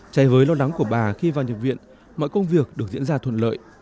trái với lo lắng của bà khi vào nhiệm viện mọi công việc được diễn ra thuận lợi